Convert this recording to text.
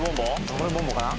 これボンボかな？